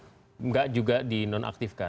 tidak juga dinonaktifkan